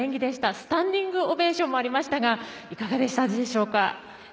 スタンディングオベーションもありましたがいかがでしたでしょうか？